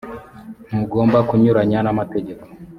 ntugomba kunyuranya n’amategeko